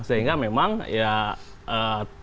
sehingga memang ya pukulan pukulan saja